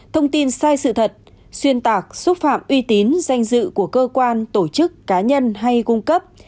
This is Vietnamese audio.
thông tin sai sự thật xuyên tạc xúc phạm uy tín danh dự của cơ quan tổ chức cá nhân hay cung cấp